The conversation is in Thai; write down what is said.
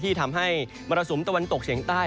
ที่ทำให้มรสุมตะวันตกเฉียงใต้